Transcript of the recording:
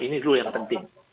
ini dulu yang penting